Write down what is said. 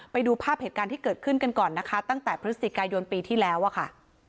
ไปดูภาพเหตุการณ์ที่เกิดขึ้นกันก่อนนะคะตั้งแต่พฤศจิกายนปีที่แล้วอะค่ะ